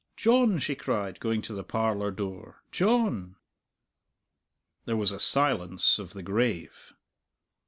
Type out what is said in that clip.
"John!" she cried, going to the parlour door, "John!" There was a silence of the grave.